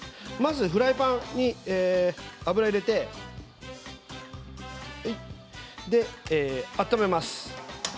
フライパンに油を入れて温めます。